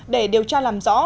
để điều tra làm rõ